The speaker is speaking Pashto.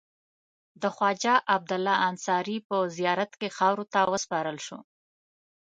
د خواجه عبدالله انصاري په زیارت کې خاورو ته وسپارل شو.